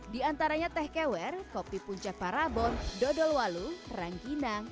di antaranya teh kewer kopi puncak parabon dodol walu rangginang